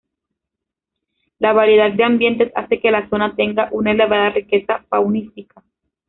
La variedad de ambientes hace que la zona tenga una elevada riqueza faunística.